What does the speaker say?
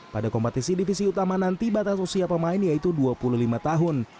pada kompetisi divisi utama nanti batas usia pemain yaitu dua puluh lima tahun